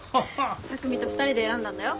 匠と２人で選んだんだよ。